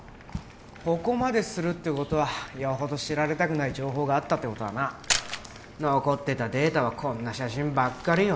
ここまでするってことはよほど知られたくない情報があったってことだな残ってたデータはこんな写真ばっかりよ